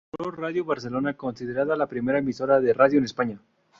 Inauguró Radio Barcelona, considerada la primera emisora de radio en España.